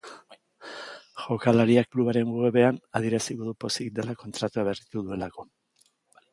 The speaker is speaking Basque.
Jokalariak klubaren webean adierazi du pozik dela kontratua berritu duelako.